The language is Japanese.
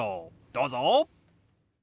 どうぞ！